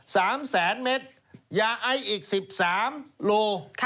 สามแสนเมตรยาไออีกสิบสามโลค่ะ